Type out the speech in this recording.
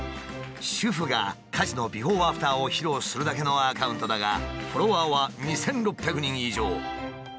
主婦が家事のビフォーアフターを披露するだけのアカウントだがフォロワーは２，６００人以上。